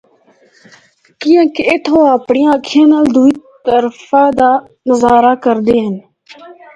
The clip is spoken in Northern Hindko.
کیانکہ اِتھا او اپنڑیا اکھیاں نال دوئی طرفا دا نظارہ کردے ہن۔